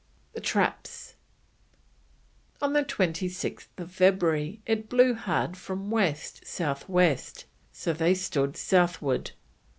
THE TRAPS. On 26th February it blew hard from west south west, so they stood southward.